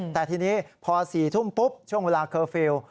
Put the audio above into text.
แต่ทีนี้พอ๔ทุ่มปุ๊บช่วงเวลาเคอร์ฟิลล์